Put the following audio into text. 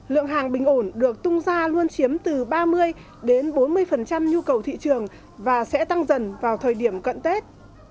lượng hàng bình ổn được tung ra luôn chiếm từ ba mươi đến bốn mươi nhu cầu thị trường và sẽ tăng dần vào thời điểm cận tết